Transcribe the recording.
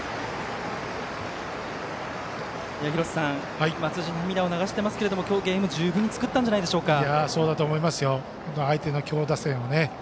廣瀬さん、松藤涙を流していますけど今日、ゲームを十分作ったんじゃないでしょうか。